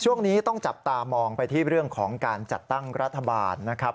ช่วงนี้ต้องจับตามองไปที่เรื่องของการจัดตั้งรัฐบาลนะครับ